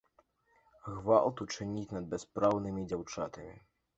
Гвалт учыніць над бяспраўнымі дзяўчатамі!